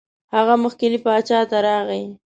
هغه مخکني باچا ته راغی.